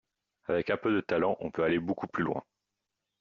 Avec un peu de talent, on peut aller beaucoup plus loin.